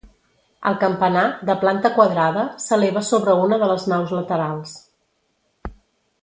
El campanar, de planta quadrada, s'eleva sobre una de les naus laterals.